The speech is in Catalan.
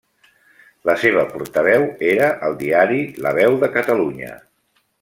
La seva portaveu era el diari La Veu de Catalunya.